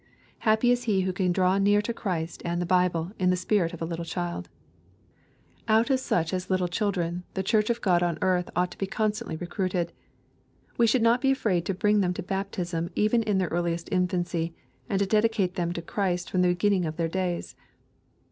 Happy is he who can draw near to Christ and the Bible in the spirit of a little child I " Out of such as little children,'' the Church of God on earth ought to be constantly recruited. We should not be afk aid to bring them to baptism even in their earliest infancy, and to dedicate them to Christ from the beginning of their days.